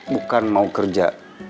bukan mau kerja